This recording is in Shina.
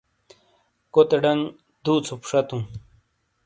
کوتے ڈنگ دُو ژُپ شاتُوں۔